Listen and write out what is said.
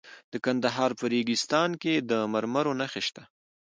د کندهار په ریګستان کې د مرمرو نښې شته.